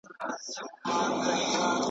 اوبه په ډانگ نه بېلېږي .